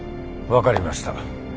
分かりました。